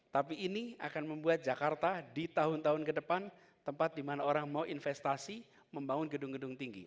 tapi ini akan membuat jakarta di tahun tahun ke depan tempat di mana orang mau investasi membangun gedung gedung tinggi